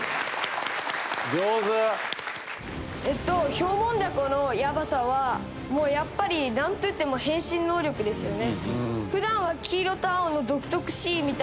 ヒョウモンダコのヤバさはもうやっぱりなんと言っても変身能力ですよね。